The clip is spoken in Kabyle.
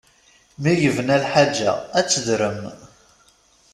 Mi yebna lḥaǧa ad tedrem.